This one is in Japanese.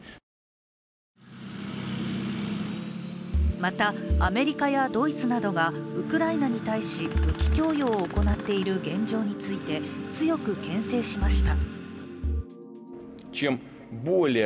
また、アメリカやドイツなどがウクライナに対し武器供与を行っている現状について強くけん制しました。